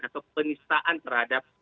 atau penistaan terhadap